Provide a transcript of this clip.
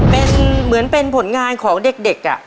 เป็นเหมือนเป็นผลงานของเด็กเหรอลูก